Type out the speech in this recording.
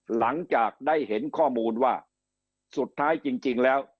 หลังจากได้เห็นข้อมูลว่าสุดท้ายจริงแล้ว